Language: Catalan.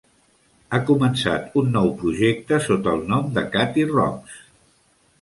Ha començat un nou projecte sota el nom de Katie Rox.